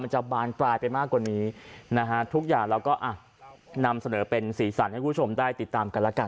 มันจะบานกลายไปมากกว่านี้นะฮะ